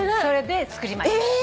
それで作りました。